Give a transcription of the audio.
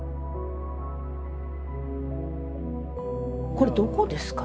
これどこですか？